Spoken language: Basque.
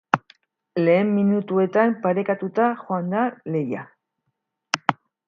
Lehen minutuetan parekatuta joan da lehia.